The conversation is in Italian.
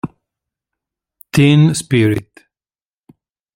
Teen Spirit